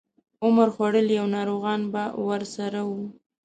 عمر خوړلي او ناروغان به ورسره وو.